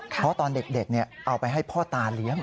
เพราะตอนเด็กเอาไปให้พ่อตาเลี้ยง